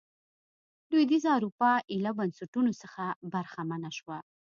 لوېدیځه اروپا ایله بنسټونو څخه برخمنه شوه.